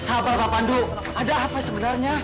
sabar bapak pandu ada apa sebenarnya